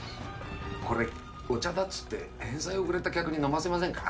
これ「お茶だ」っつって返済遅れた客に飲ませませんか？